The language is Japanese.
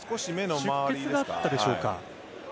出血があったでしょうか。